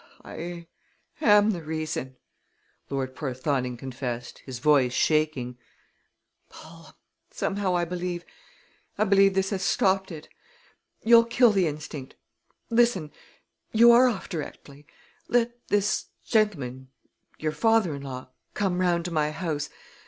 "I am the reason!" Lord Porthoning confessed, his voice shaking. "Paul, somehow I believe I believe this has stopped it. You'll kill the instinct. Listen! You are off directly. Let this gentleman, your father in law, come round to my house.